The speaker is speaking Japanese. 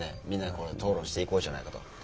みんなで討論していこうじゃないかと。